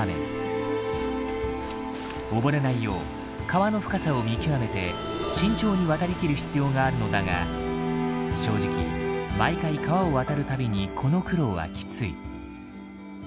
溺れないよう川の深さを見極めて慎重に渡りきる必要があるのだが正直毎回川を渡る度にこの苦労はきつい。